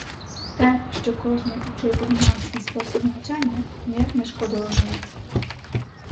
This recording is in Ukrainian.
Те, що кожний учитель мав свій спосіб навчання, ніяк не шкодило науці.